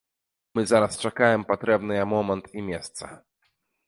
Мы зараз чакаем патрэбныя момант і месца.